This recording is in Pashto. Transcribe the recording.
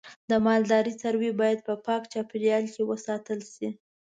د مالدارۍ څاروی باید په پاک چاپیریال کې وساتل شي.